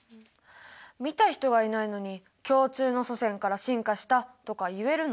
見た人がいないのに共通の祖先から進化したとか言えるの？